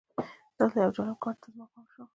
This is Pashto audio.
دلته یو جالب کار ته زما پام شو.